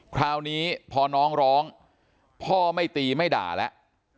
คราวนี้พอน้องร้องพ่อไม่ตีไม่ด่าแล้ว